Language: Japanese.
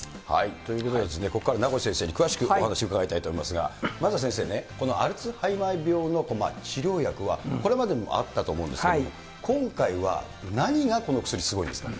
ということででですね、ここから名越先生に詳しくお話伺いたいと思いますが、まずは先生ね、このアルツハイマー病の治療薬はこれまでもあったと思うんですけれども、今回は何がこの薬、すごいんですかね。